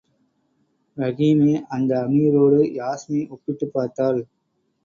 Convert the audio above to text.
ரஹீமை அந்த அமீரோடு யாஸ்மி ஒப்பிட்டுப் பார்த்தாள்.